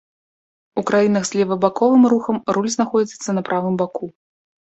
У краінах з левабаковым рухам руль знаходзіцца на правым баку.